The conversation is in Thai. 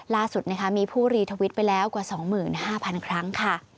ล่าสุดนะคะมีผู้รีทวิตไปแล้วกว่า๒๕๐๐๐ครั้งค่ะ